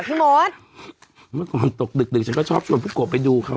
พี่มดเมื่อก่อนตกดึกดึกฉันก็ชอบชวนพี่โกะไปดูเขา